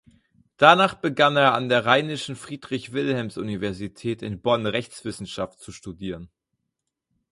Danach begann er an der Rheinischen Friedrich-Wilhelms-Universität in Bonn Rechtswissenschaft zu studieren.